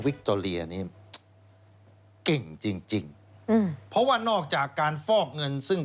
วิคตอรีอันนี้เก่งจริงเพราะว่านอกจากการฟอกเงินซึ่ง